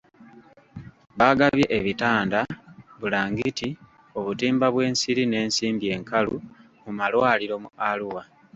Baagabye ebitanda bulangiti, obutimba bw'ensiri n'ensimbi enkalu mu malwaliro mu Arua.